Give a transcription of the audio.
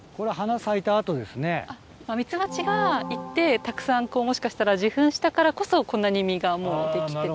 ミツバチが行ってたくさんもしかしたら受粉したからこそこんなに実がもうできてて。